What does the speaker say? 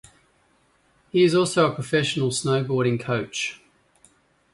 He is also a professional snowboarding coach.